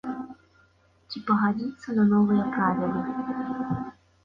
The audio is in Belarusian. Ці пагадзіцца на новыя правілы.